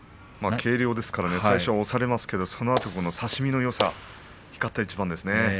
軽量ですから最初、押されますが、そのあと差し身のよさ、光った一番です。